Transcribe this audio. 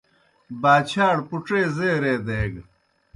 باچھاڑ پُڇے زیرے دیگہ۔